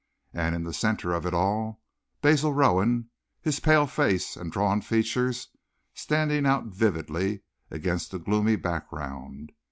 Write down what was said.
And in the centre of it all Basil Rowan, his pale face and drawn features standing out vividly against the gloomy background.